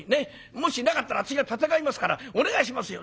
もしなかったら私が立て替えますからお願いしますよ。